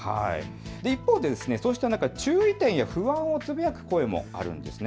一方でそうした中で注意点や不安をつぶやく声もあります。